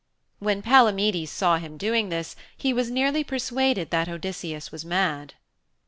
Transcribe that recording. When Palamedes saw him doing this he was nearly persuaded that Odysseus was mad.